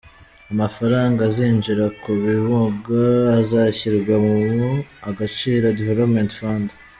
Amafaranga azinjira ku bibuga azashyirwa mu “Agaciro Development Fund”.